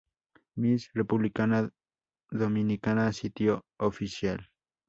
Miss República Dominicana Sitio oficial